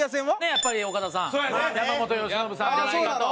やっぱり岡田さん山本由伸さんじゃないかと。